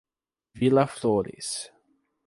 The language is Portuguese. Vila Flores